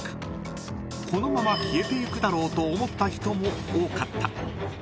［このまま消えていくだろうと思った人も多かった］